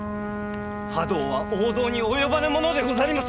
覇道は王道に及ばぬものでござりまする！